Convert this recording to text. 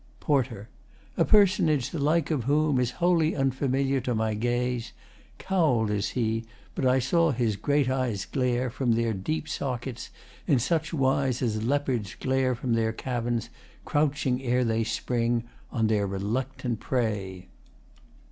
PORTER A personage the like of whom Is wholly unfamiliar to my gaze. Cowl'd is he, but I saw his great eyes glare From their deep sockets in such wise as leopards Glare from their caverns, crouching ere they spring On their reluctant prey.